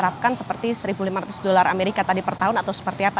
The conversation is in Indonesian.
diterapkan seperti satu lima ratus dolar amerika tadi per tahun atau seperti apa